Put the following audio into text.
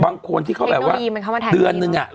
บางคนที่เขาแบบว่าเดือนนึง